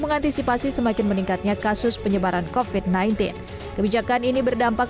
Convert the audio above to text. mengantisipasi semakin meningkatnya kasus penyebaran kofit sembilan belas kebijakan ini berdampak